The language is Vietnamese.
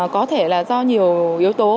có thể là do nhiều yếu tố